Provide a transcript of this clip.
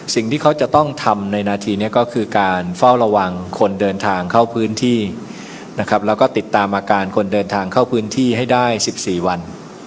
สิ่งที่เขาจะต้องทำในนาทีนี้ก็คือการเฝ้าระวังคนเดินทางเข้าพื้นที่นะครับแล้วก็ติดตามอาการคนเดินทางเข้าพื้นที่ให้ได้๑๔วัน